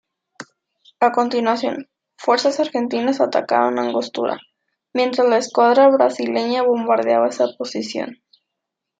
A continuación, fuerzas argentinas atacaron Angostura, mientras la escuadra brasileña bombardeaba esa posición.